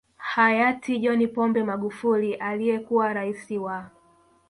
Hayati John Pombe Magufuli aliyekuwa Rais wa